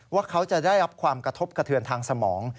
ว่าเขาจะได้รับความกระทบกระเทือนทางสมอง